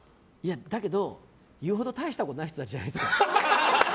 だけどいうほど大したことない人たちじゃないですか。